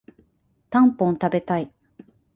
たんぽん食べたい